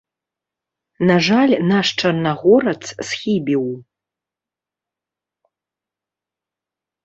На жаль, наш чарнагорац схібіў.